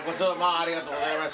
ありがとうございます。